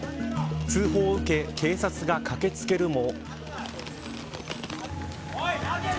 通報を受け警察が駆け付けるも。